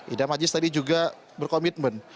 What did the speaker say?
idam aziz tadi juga berkomitmen